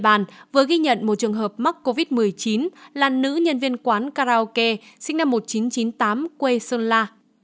địa bàn vừa ghi nhận một trường hợp mắc covid một mươi chín là nữ nhân viên quán karaoke sinh năm một nghìn chín trăm chín mươi tám quê sơn la